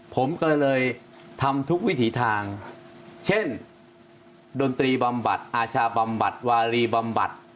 ผมก็เลยทำทุกวิถีทางเช่นดนตรีบำบัดอาชาบำบัดวารีบำบัด